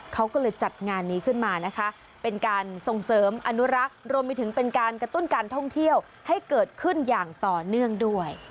เขาก็เลยจัดงานนี้ขึ้นมานะคะเป็นการส่งเสริมอนุรักษ์รวมไปถึงเป็นการกระตุ้นการท่องเที่ยวให้เกิดขึ้นอย่างต่อเนื่องด้วย